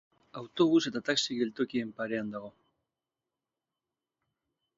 Autobus eta taxi geltokien parean dago.